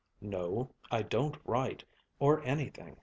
"No, I don't write, or anything.